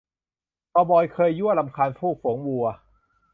คาวบอยเคยยั่วรำคาญพวกฝูงวัว